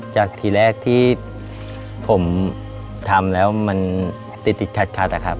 จากที่แรกที่ผมทำแล้วมันติดขัดครับครับ